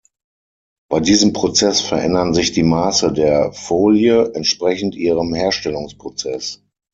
Bei diesem Prozess verändern sich die Maße der Folie entsprechend ihrem Herstellungsprozess.